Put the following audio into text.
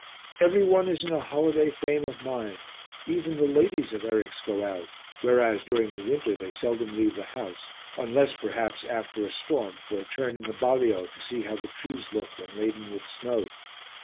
Every one is in a holiday frame of mind; even the ladies of Eryx go out, whereas during the winter they seldom leave the house, unless, perhaps, after a storm for a turn in the balio to see how the trees look when laden with snow.